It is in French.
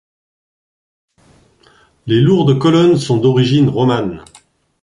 Les lourdes colonnes sont d'origine romane.